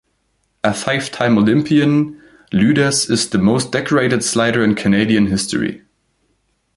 A five-time Olympian, Lueders is the most decorated slider in Canadian history.